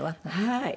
はい。